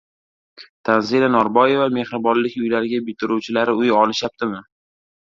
Tanzila Norboeva: "Mehribonlik uylari bitiruvchilari uy olishyaptimi?"